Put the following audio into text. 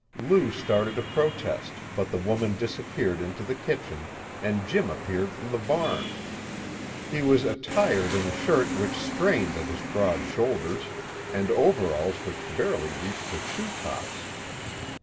Lou started to protest, but the woman disappeared into the kitchen, and Jim appeared from the barn. He was attired in a shirt which strained at his broad shoulders, and overalls which barely reached his shoe tops.